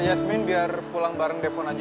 yasmin biar pulang bareng depone aja